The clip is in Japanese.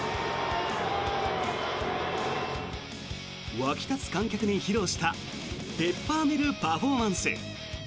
沸き立つ観客に披露したペッパーミルパフォーマンス。